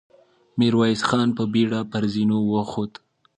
ميرويس خان په بېړه پر زينو وخوت.